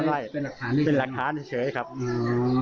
ว่าทำร้ายได้